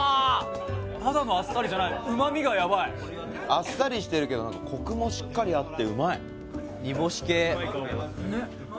あっさりしてるけどコクもしっかりあってうまい。